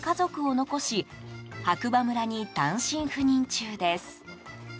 東京に家族を残し白馬村に単身赴任中です。